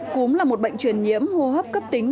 cúm là một bệnh truyền nhiễm hô hấp cấp tính